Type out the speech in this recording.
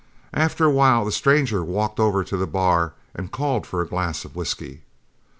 After a while the stranger walked over to the bar and called for a glass of whiskey.